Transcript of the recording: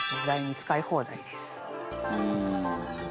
うん。